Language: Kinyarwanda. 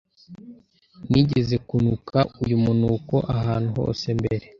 Nigeze kunuka uyu munuko ahantu hose mbere.